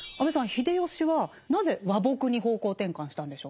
秀吉はなぜ和睦に方向転換したんでしょうか。